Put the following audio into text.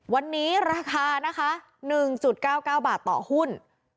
วันนี้ราคานะคะ๑๙๙บาทต่อหุ้น